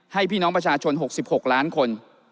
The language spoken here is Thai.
พี่น้องประชาชน๖๖ล้านคน